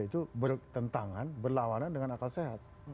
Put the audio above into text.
itu bertentangan berlawanan dengan akal sehat